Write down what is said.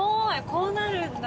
こうなるんだ。